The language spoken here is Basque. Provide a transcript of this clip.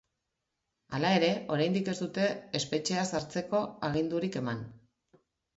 Hala ere, oraindik ez dute espetxera sartzeko agindurik eman.